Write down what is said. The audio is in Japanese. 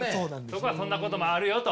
そこはそんなこともあるよと。